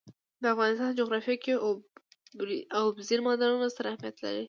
د افغانستان جغرافیه کې اوبزین معدنونه ستر اهمیت لري.